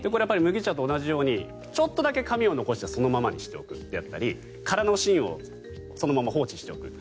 麦茶と同じでちょっとだけ紙を残してそのままにしておいたり空の芯をそのまま放置しておく。